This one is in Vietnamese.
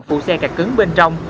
phụ xe kẹt cứng bên trong